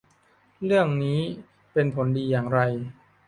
เรื่องนี้เป็นผลดีอย่างไร